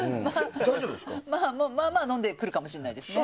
まあまあ飲んでくるかもしれないですね。